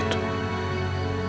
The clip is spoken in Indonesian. dan tidak sampai disitu